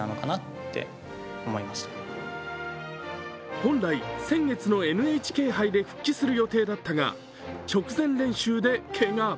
本来、先月のＮＨＫ杯で復帰する予定だったが直前練習でけが。